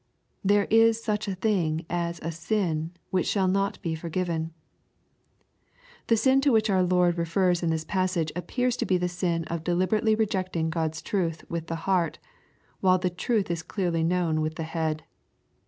There is such a thing as a sin " which shall not be forgiven.*' The sin to which our Lord refers in this passage appears to be the sin of deliberately rejecting God's truth with the heart, while the truth is clearly known with the head.